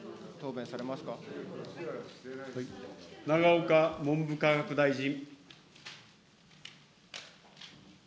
永岡文部科学大臣。